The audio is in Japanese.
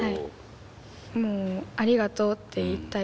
もうありがとうって言いたいですね。